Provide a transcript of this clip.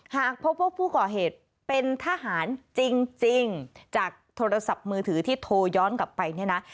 หากพบว่าผู้ก่อเหตุเป็นทหารจริงจากโทรศัพท์มือถือที่โทรย้อนกลับไปเนี่ยนะ